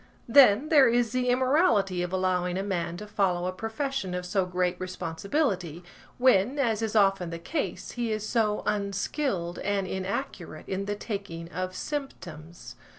Then, there is the immorality of allowing a man to follow a profession of so great responsibility, when, as is often the case, he is so unskilled and inaccurate in the taking of symptoms.